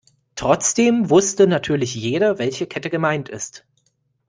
Trotzdem wusste natürlich jeder, welche Kette gemeint ist.